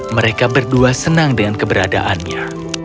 mereka berdua senang dengan keberadaannya